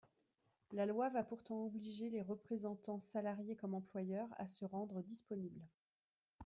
La loi va pourtant obliger les représentants, salariés comme employeurs, à se rendre disponibles.